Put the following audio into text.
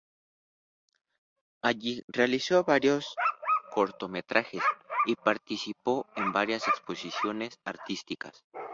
Allí realizó varios cortometrajes y participó en varias exposiciones artísticas.